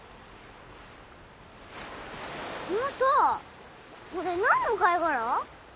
マサこれ何の貝殻？